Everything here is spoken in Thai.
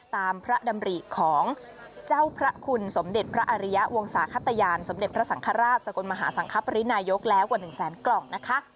พระดำริของเจ้าพระคุณสมเด็จพระอริยะวงศาขตยานสมเด็จพระสังฆราชสกลมหาสังคปรินายกแล้วกว่า๑แสนกล่องนะคะ